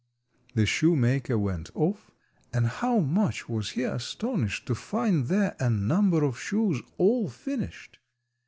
The shoemaker went off, and how much was he astonished to find there a number of shoes all finished.